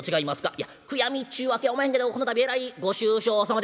「いや悔やみちゅうわけやおまへんけどこの度えらいご愁傷さまで」。